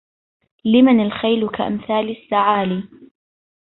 لمن الخيل كأمثال السعالي